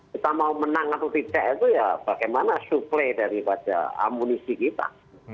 kita mau menang atau tidak itu ya bagaimana suplai daripada amunisi kita